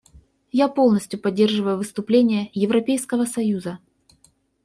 Я полностью поддерживаю выступление Европейского союза.